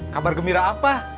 kabar gembira apa